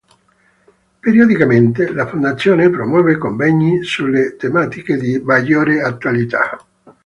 Periodicamente, la Fondazione promuove convegni sulle tematiche di maggiore attualità.